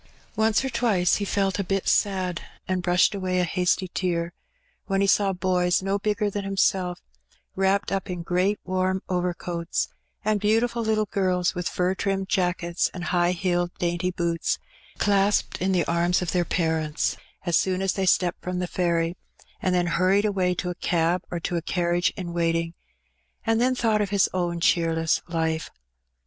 Once or twice he felt a bit sad, and brushed away a hasty tear, when he saw boys no bigger than himself wrapped up in great warm overcoats, and beautiful little girls with fur trimmed jackets and high heeled dainty boots, clasped in the arms of their parents as soon as they stepped from the ferry, and then hurried away to a cab or to a carriage in waiting — and then thought of his own cheerless life.